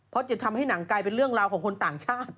เพราะจะทำให้หนังกลายเป็นเรื่องราวของคนต่างชาติ